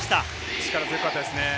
力強かったです。